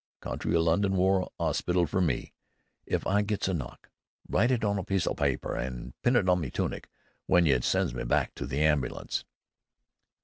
County o' London War 'Ospital fer me if I gets a knock! Write it on a piece o' pyper an' pin it to me tunic w'en you sends me back to the ambulance."